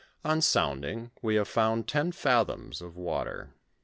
On sounding, we have found ten fathoms of water.